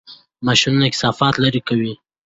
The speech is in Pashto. ماشینونه کثافات لرې کوي.